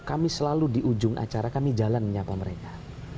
kami selalu di ujung acara kami jalan menyapa mereka